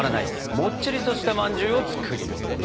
もっちりとしたまんじゅうを作ります。